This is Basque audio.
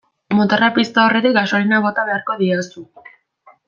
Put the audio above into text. Motorra piztu aurretik gasolina bota beharko diozu.